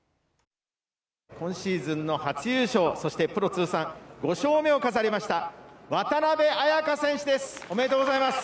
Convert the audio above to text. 今シーズンの初優勝、そしてプロ通算５勝目を飾りました渡邉彩香選手ですおめでとうございます。